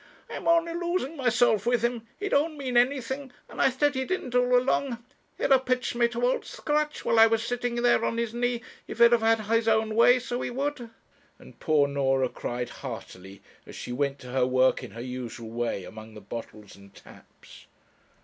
'I'm only losing myself with him. He don't mean anything, and I said he didn't all along. He'd have pitched me to Old Scratch, while I was sitting there on his knee, if he'd have had his own way so he would;' and poor Norah cried heartily, as she went to her work in her usual way among the bottles and taps.